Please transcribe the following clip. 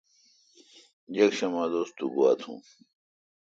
یکشم اے° دوس تو گوا تھون۔